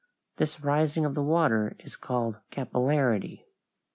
This rising of the water is called capillarity.